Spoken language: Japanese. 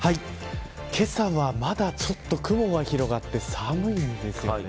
けさはまだちょっと雲が広がって寒いんですよね。